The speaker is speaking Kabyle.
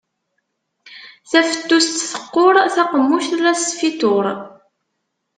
Tafettust teqqur, taqemmuct la tesfituṛ.